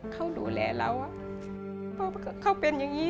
เขาดูแลเราเพราะเขาเป็นอย่างนี้